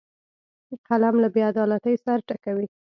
قلم له بیعدالتۍ سر ټکوي